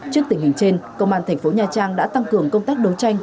trước tình hình trên công an tp nha trang đã tăng cường công tác đấu tranh